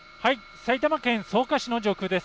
埼玉県草加市の上空です。